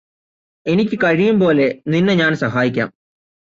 എനിക്കു കഴിയും പോലെ നിന്നെ ഞാന് സഹായിക്കാം